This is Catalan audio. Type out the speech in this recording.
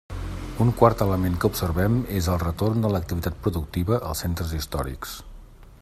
Un quart element que observem és el retorn de l'activitat productiva als centres històrics.